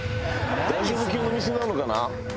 大丈夫系のお店なのかな？